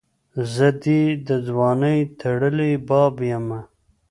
زه دي دځوانۍ ټړلي باب یمه